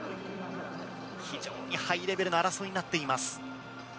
非常にハイレベルな争いになっています。